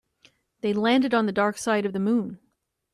They landed on the dark side of the moon.